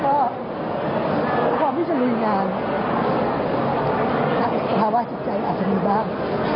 แล้วก็ความวิจารณียาอาจจะมีบ้าง